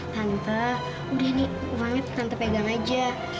tante udah ini uangnya tante pegang aja